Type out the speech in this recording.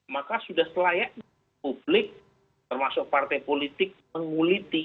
maka sudah selayaknya publik termasuk partai politik menguliti